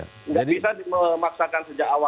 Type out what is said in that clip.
tidak bisa memaksakan sejak awal